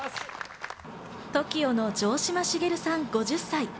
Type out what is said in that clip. ＴＯＫＩＯの城島茂さん、５０歳。